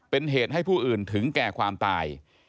เป็นเหตุให้ผู้อื่นถึงแก่ความตาย